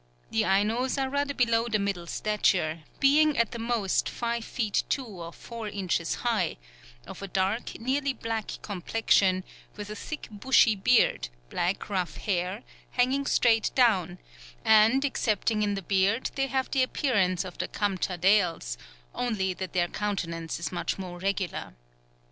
The Ainos are rather below the middle stature, being at the most five feet two or four inches high, of a dark, nearly black complexion, with a thick bushy beard, black rough hair, hanging straight down; and excepting in the beard they have the appearance of the Kamtschadales, only that their countenance is much more regular.